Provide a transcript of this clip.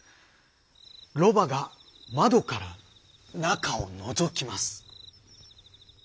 ロバが窓から中をのぞきます。